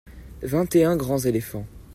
vingt et un grands éléphants.